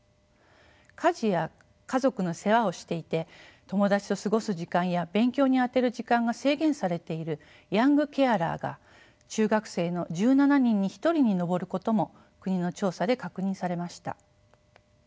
家事や家族の世話をしていて友達と過ごす時間や勉強に充てる時間が制限されているヤングケアラーが中学生の１７人に１人に上ることも国の調査で確認されました。